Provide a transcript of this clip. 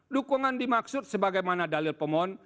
dukungan dimaksud sebagaimana dalil pemohon